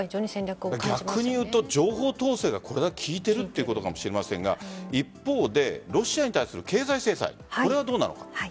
逆にいうと情報統制がこれだけ効いているということかもしれませんが一方でロシアに対する経済制裁はどうなのか。